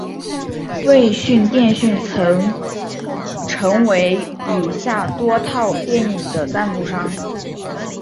卫讯电讯曾成为以下多套电影的赞助商。